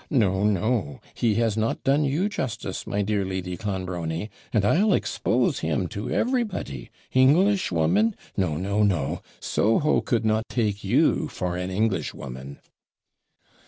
No, no; he has not done you justice, my dear Lady Clonbrony! and I'll expose him to everybody. Englishwoman no, no, no! Soho could not take you for an Englishwoman!'